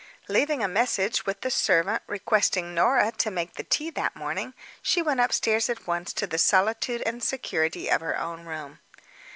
Leaving a message with the servant requesting Norah to make the tea that morning, she went upstairs at once to the solitude and security of her own room.